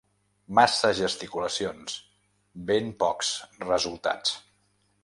Massa gesticulacions, ben pocs resultats.